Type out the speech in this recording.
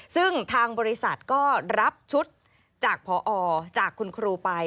ซึ่งทางบริษัทก็รับชุดจากพอจากคุณครูไป